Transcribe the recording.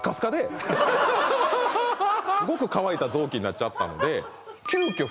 すごく乾いたぞうきんになっちゃったので急きょ